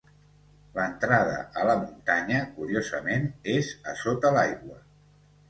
L'entrada a la muntanya, curiosament, és a sota l'aigua.